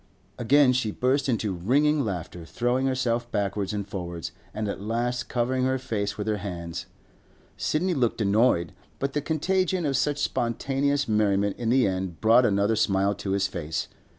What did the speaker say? Again she burst into ringing laughter, throwing herself backwards and forwards, and at last covering her face with her hands. Sidney looked annoyed, but the contagion of such spontaneous merriment in the end brought another smile to his face.